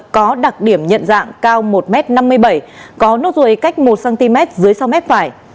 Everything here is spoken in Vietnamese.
có đặc điểm nhận dạng cao một m năm mươi bảy có nốt ruồi cách một cm dưới sau mép phải